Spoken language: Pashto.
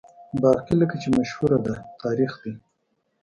باقي لکه چې مشهوره ده، تاریخ دی.